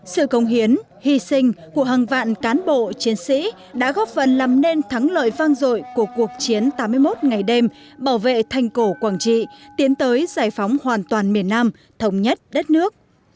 sự công hiến hy sinh của hàng vạn cán bộ chiến sĩ đã góp phần làm nên thắng lợi vang dội của cuộc chiến tám mươi một ngày đêm bảo vệ thành cổ quảng trị tiến tới giải phóng hoàn toàn miền nam thống nhất đất nước